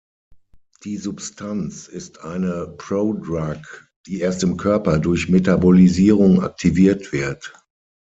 Die Substanz ist eine Prodrug, die erst im Körper durch Metabolisierung aktiviert wird.